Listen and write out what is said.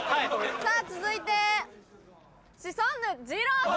さぁ続いてシソンヌ・じろうさん。